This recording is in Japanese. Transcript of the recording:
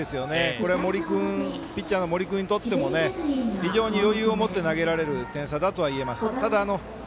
これはピッチャー森君にとっても非常に余裕を持って投げられる点差だといえます。